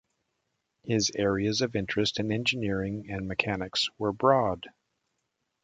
His areas of interest in engineering and mechanics were broad.